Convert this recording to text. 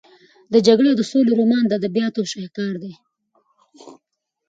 د جګړې او سولې رومان د ادبیاتو شاهکار دی.